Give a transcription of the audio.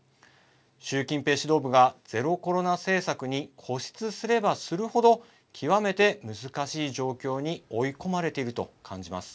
習近平指導部がゼロコロナ政策に固執すればするほど極めて難しい状況に追い込まれていると感じます。